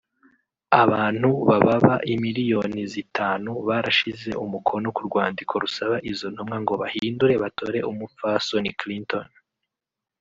Abantu bababa imiliyoni zitanu barashize umukono ku rwandiko rusaba izo ntumwa ngo bahindure batore umupfasoni Clinton